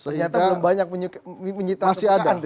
ternyata belum banyak menyita ganti